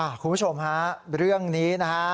คุณผู้ชมฮะเรื่องนี้นะฮะ